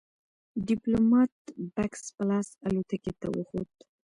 ديپلومات بکس په لاس الوتکې ته وخوت.